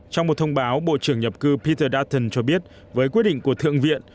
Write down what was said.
trong một thông báo bộ trưởng nhập cư peter datton cho biết với quyết định của thượng viện